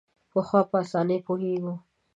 پخوا په اسانۍ پوهېږو.